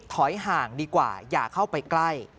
ถอยห่างดีกว่าอย่าเข้าไปใกล้